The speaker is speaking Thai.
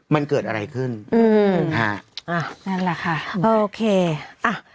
มันเกิดอะไรขึ้นอืมฮะอ่านั่นแหละค่ะโอเคอ่ะ